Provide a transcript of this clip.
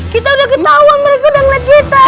kita udah ketahuan mereka udah ngelagetan